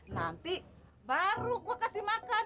nanti baru gue kasih makan